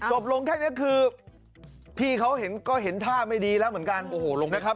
จบลงแค่นี้คือพี่เขาก็เห็นท่าไม่ดีแล้วเหมือนกันโอ้โหลงนะครับ